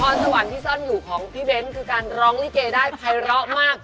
สวรรค์ที่ซ่อนอยู่ของพี่เบ้นคือการร้องลิเกได้ภัยร้อมาก